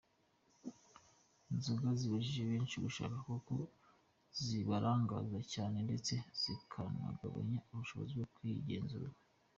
Inzoga zibujije benshi gushaka kuko zibarangaza cyane ndetse zikagabanya ubushobozi bwo kwigenzura.